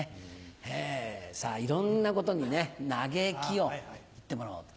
さぁいろんなことにね嘆きを言ってもらおうと。